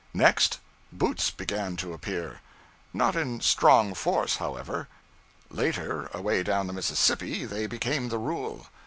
Next, boots began to appear. Not in strong force, however. Later away down the Mississippi they became the rule.